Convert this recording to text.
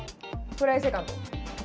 フライセカンド？